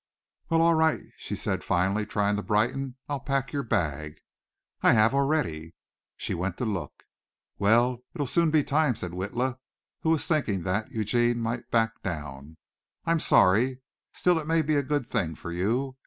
"Well, all right," she said finally, trying to brighten. "I'll pack your bag." "I have already." She went to look. "Well, it'll soon be time," said Witla, who was thinking that Eugene might back down. "I'm sorry. Still it may be a good thing for you.